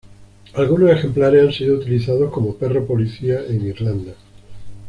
Alguno ejemplares han sido utilizados como perro policía en Irlanda.